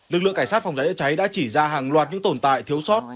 lực lượng cảnh sát phòng cháy giới cháy đã chỉ ra hàng loạt những tồn tại thiếu soát